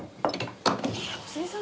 小杉さん